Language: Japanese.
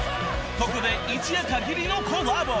［ここで一夜かぎりのコラボ］